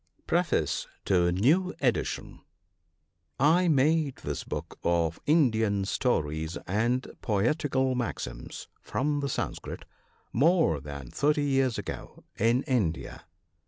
PREFACE TO NEW EDITION. MADE this book of Indian stories and poetical maxims, from the Sanskrit, more than thirty years ago, in India.